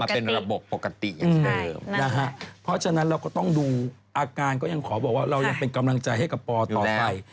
เพราะฉะนั้นเราก็ต้องดูอาการกำลังใจให้กับปอต่อไป